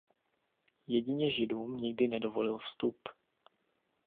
Jedině židům nikdy nedovolil vstup.